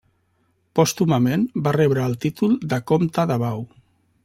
Pòstumament va rebre el títol de comte de Bau.